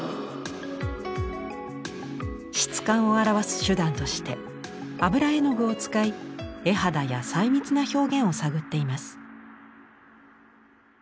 質感を表す手段として油絵の具を使い絵肌や細密な表現を探っています。